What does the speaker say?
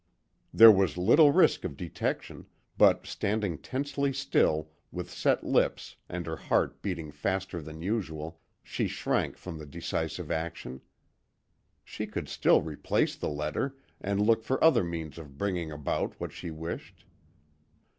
There was little risk of detection, but standing tensely still, with set lips and her heart beating faster than usual, she shrank from the decisive action. She could still replace the letter, and look for other means of bringing about what she wished.